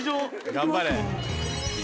頑張れ。